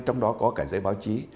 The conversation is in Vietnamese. trong đó có cả giới báo chí